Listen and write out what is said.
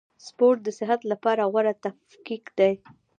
سپورټ د صحت له پاره غوره تفکیک دئ.